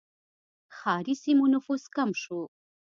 ښاري سیمو نفوس کم شو.